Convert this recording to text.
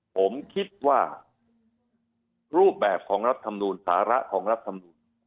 ผมคิดว่ารูปแบบของรัฐธรรมนูลสาระของรัฐธรรมนูล